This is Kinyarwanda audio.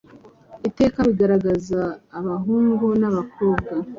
iteka bigaragaza Abahungu na bakobwa